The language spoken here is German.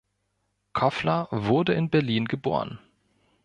Koffler wurde in Berlin geboren.